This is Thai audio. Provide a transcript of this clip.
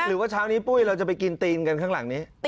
หรือว่าเช้านี้ปุ้ยเราจะไปกินตีนกันข้างหลังนี้